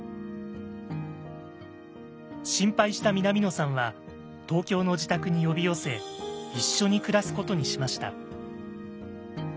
心配した南野さんは東京の自宅に呼び寄せ一緒に暮らすことにしました。